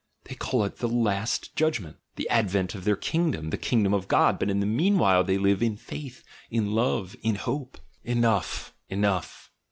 They call it 'the last judg ment,' the advent of their kingdom, 'the kingdom of God' — but in the meanwhile they live 'in faith,' 'in love,' 'in hope.' " Enough ! Enough